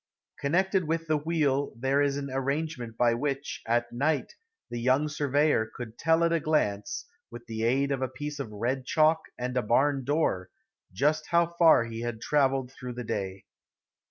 Connected with the wheel there is an arrangement by which, at night, the young surveyor could tell at a glance, with the aid of a piece of red chalk and a barn door, just how far he had traveled during the day.